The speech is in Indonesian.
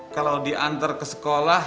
kalau diantar ke sekolah